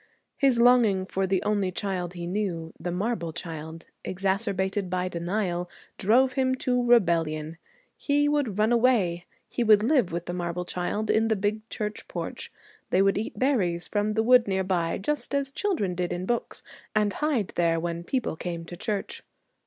His longing for the only child he knew, the marble child, exacerbated by denial, drove him to rebellion. He would run away. He would live with the marble child in the big church porch; they would eat berries from the wood near by, just as children did in books, and hide there when people came to church.